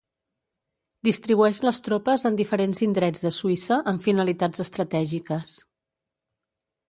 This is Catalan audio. Distribueix les tropes en diferents indrets de Suïssa amb finalitats estratègiques.